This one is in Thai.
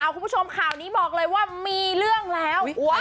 คุณผู้ชมข่าวนี้บอกเลยว่ามีเรื่องแล้ว